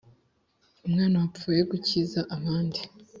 umwana wapfuye gukiza abandi